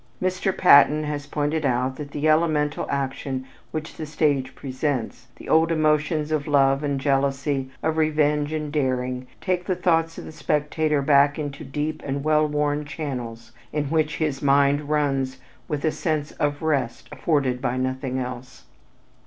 Mr. Patten has pointed out that the elemental action which the stage presents, the old emotions of love and jealousy, of revenge and daring take the thoughts of the spectator back into deep and well worn channels in which his mind runs with a sense of rest afforded by nothing else.